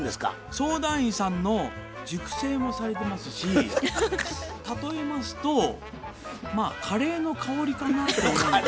相談員さんの熟成もされてますし例えますとまあカレーの香りかなという。